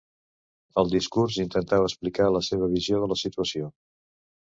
El discurs intentava explicar la seva visió de la situació.